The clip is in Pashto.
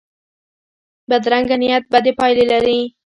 بدرنګه نیت بدې پایلې لري